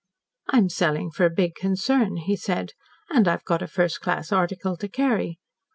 "I'm selling for a big concern," he said, "and I've got a first class article to carry.